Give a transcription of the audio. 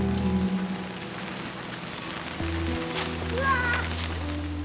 うわ。